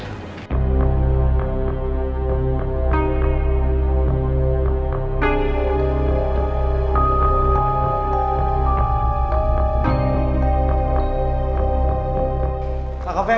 kituman dari suara sistis